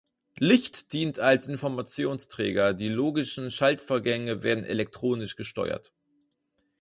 Licht dient als Informationsträger, die logischen Schaltvorgänge werden elektronisch gesteuert.